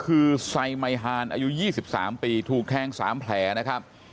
คือไซไมฮานอายุ๒๓ปีถูกแทง๓แผลนะครับ